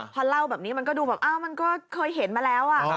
พอเล่าแบบนี้มันก็ดูแบบอ้าวมันก็เคยเห็นมาแล้ว